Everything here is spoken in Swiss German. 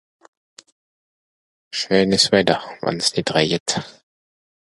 scheenes Wetter wann's nìt reijet